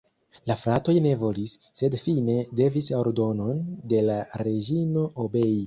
La fratoj ne volis, sed fine devis ordonon de la reĝino obei.